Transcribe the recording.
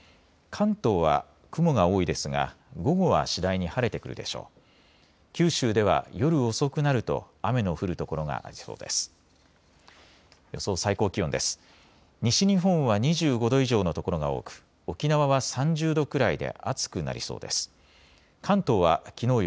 関東は雲が多いですが午後は次第に晴れてくるでしょう。